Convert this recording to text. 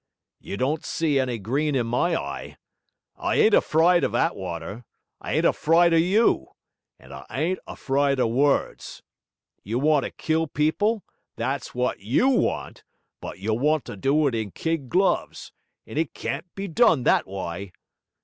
'You don't see any green in my eye! I ain't afryde of Attwater, I ain't afryde of you, and I ain't afryde of words. You want to kill people, that's wot YOU want; but you want to do it in kid gloves, and it can't be done that w'y.